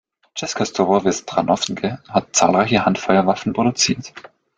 Česká zbrojovka Strakonice hat zahlreiche Handfeuerwaffen produziert.